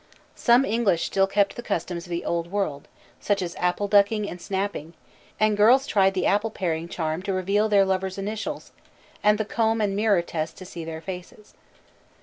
Some English still kept the customs of the old world, such as apple ducking and snapping, and girls tried the apple paring charm to reveal their lovers' initials, and the comb and mirror test to see their faces.